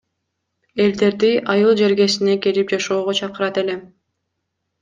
Элдерди айыл жергесине келип жашоого чакырат элем.